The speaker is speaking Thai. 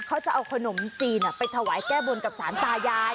เขาจะเอาขนมจีนไปถวายแก้บนกับสารตายาย